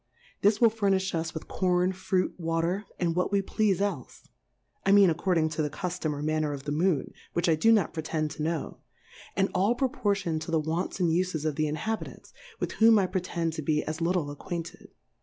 This will furnifli us with Corn, Fruit, Water, and what we pleafe elfe \ I mean according to the Cuftom or Manner of the Moon, which I do not pretend to know ; and all pro portioned to the Wants and Ufesof the Inhabitants, with whom I pretend to be as litde acquainted.